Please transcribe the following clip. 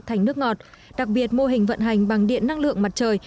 thành nước ngọt đặc biệt mô hình vận hành bằng điện năng lượng mặt trời